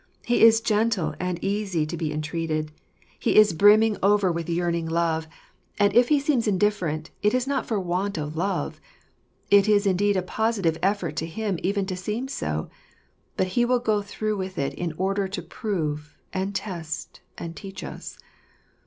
He is gentle and easy to be entreated ; He is brimming over Menu faritfr jfojjgjrfr. 1 15 with yearning love: and if He seem indifferent, it is not for want of love— it is indeed a positive effort to Him even to seem so ; but He will go through with it in order to prove, and test, and teach us.